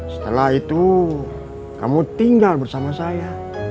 setelah itu kamu tinggal bersama saya